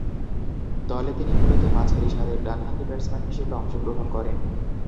দলে তিনি মূলতঃ মাঝারি সারির ডানহাতি ব্যাটসম্যান হিসেবে অংশগ্রহণ করেন।